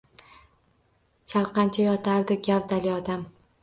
Chalqancha yotardi gavdali odam.